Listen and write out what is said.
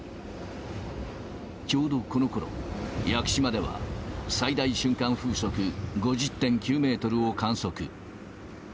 ちょうどこのころ、屋久島では、最大瞬間風速５０．９メートルを観測。